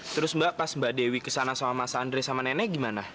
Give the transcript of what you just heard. terus mbak pas mbak dewi kesana sama mas andre sama nenek gimana